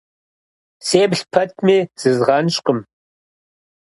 Сеплъ пэтми, зызгъэнщӏкъым.